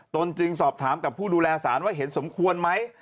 ตนจึงสอบถามกับผู้ดูแลสารว่าเห็นสมควรไหม